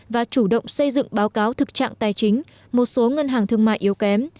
và chủ động xây dựng báo cáo thực trạng tài chính một số ngân hàng thương mại yếu kém